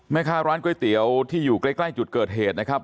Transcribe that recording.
แม่ค้าร้านก๋วยเตี๋ยวที่อยู่ใกล้จุดเกิดเหตุนะครับ